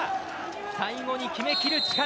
最後に決めきる力。